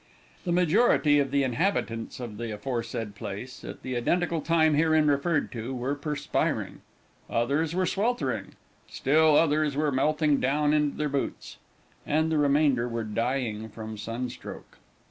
The majority of the inhabitants of the aforesaid place, at the identical time herein referred to, were perspiring; others were sweltering; still others were melting down into their boots, and the remainder were dying from sun stroke.